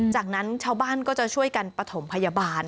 จากนั้นชาวบ้านก็จะช่วยกันปฐมพยาบาล